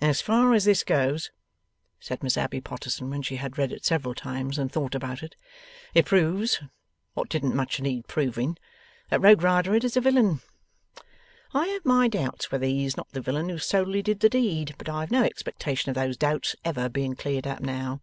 'As far as this goes,' said Miss Abbey Potterson, when she had read it several times, and thought about it, 'it proves (what didn't much need proving) that Rogue Riderhood is a villain. I have my doubts whether he is not the villain who solely did the deed; but I have no expectation of those doubts ever being cleared up now.